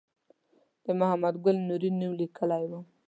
د محمد ګل نوري نوم لیکلی و.